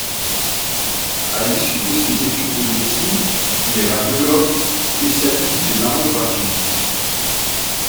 À l'issue de ses études de médecine, il est radiologue spécialiste des mammographies.